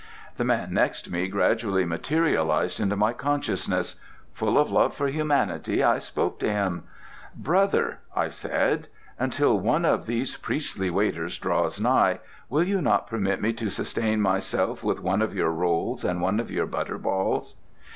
The man next me gradually materialized into my consciousness. Full of love for humanity I spoke to him. "Brother," I said, "until one of these priestly waiters draws nigh, will you not permit me to sustain myself with one of your rolls and one of your butter balls?